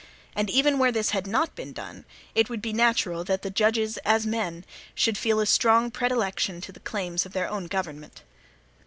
And even where this had not been done, it would be natural that the judges, as men, should feel a strong predilection to the claims of their own government.